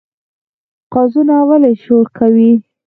قازونه ولې شور کوي؟